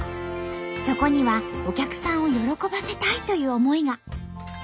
そこにはお客さんを喜ばせたいという思いが。